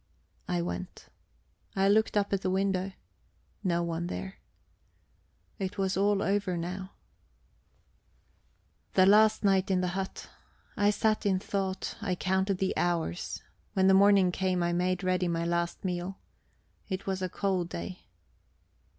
I went. I looked up at the window. No one there. It was all over now... The last night in the hut. I sat in thought, I counted the hours; when the morning came I made ready my last meal. It was a cold day.